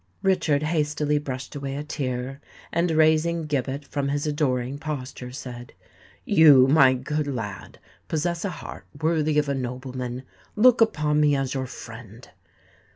Richard hastily brushed away a tear, and raising Gibbet from his adoring posture, said, "You, my good lad, possess a heart worthy of a nobleman. Look upon me as your friend!"